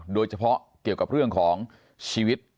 โดยเฉพาะเกี่ยวกับเรื่องของชีวิต